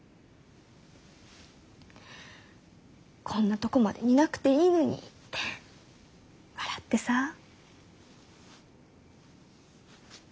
「こんなとこまで似なくていいのに！」って笑ってさ。